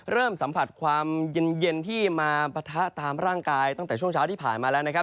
เริ่มสัมผัสความเย็นที่มาปะทะตามร่างกายตั้งแต่ช่วงเช้าที่ผ่านมาแล้วนะครับ